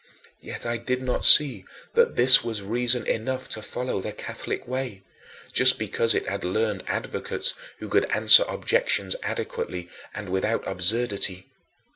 Yet I did not see that this was reason enough to follow the Catholic way, just because it had learned advocates who could answer objections adequately and without absurdity.